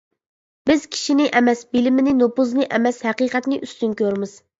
بىز كىشىنى ئەمەس بىلىمنى، نوپۇزنى ئەمەس ھەقىقەتنى ئۈستۈن كۆرىمىز.